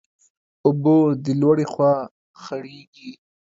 اوبه د لوړي خوا خړېږي.